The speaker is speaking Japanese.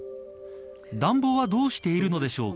暖房はどうしているのでしょうか。